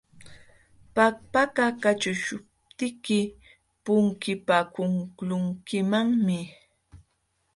Pakpaka kaćhuqśhuptiyki punkipakuqlunkimanmi.